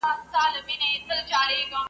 د مور له غېږي زنګېدلای تر پانوسه پوري .